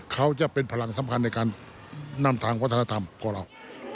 เขาจะเป็นพลังสำคัญในการนำทางวัฒนธรรมพวกเรา